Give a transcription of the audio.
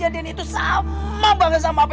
dia bakalan mati